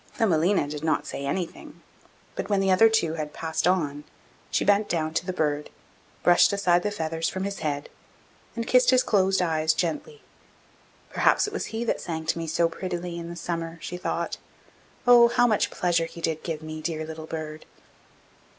Thumbelina did not say anything; but when the other two had passed on she bent down to the bird, brushed aside the feathers from his head, and kissed his closed eyes gently. 'Perhaps it was he that sang to me so prettily in the summer,' she thought. 'How much pleasure he did give me, dear little bird!